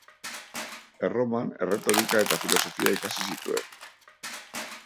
Erroman erretorika eta filosofia ikasi zituen.